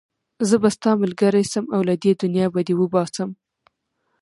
زه به ستا ملګری شم او له دې دنيا به دې وباسم.